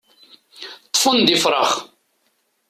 Ṭṭfen-d ifrax.